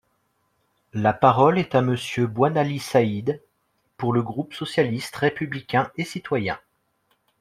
La parole est à Monsieur Boinali Said, pour le groupe socialiste, républicain et citoyen.